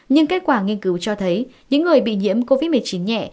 nhưng kết quả nghiên cứu cho thấy những người bị nhiễm covid một mươi chín nhẹ